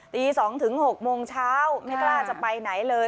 ตี๒ถึง๖โมงเช้าไม่กล้าจะไปไหนเลย